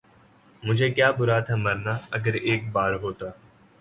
مجھے کیا برا تھا مرنا اگر ایک بار ہوتا